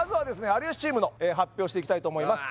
有吉チームの発表をしていきたいと思います